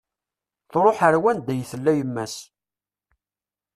Truḥ ar wanda i tella yemma-s